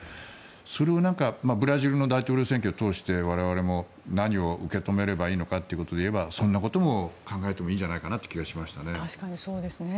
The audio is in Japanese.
それをブラジルの大統領選挙を通して我々も何を受け止めればいいのかということで言えばそんなことも考えてもいいんじゃないかって気がしましたね。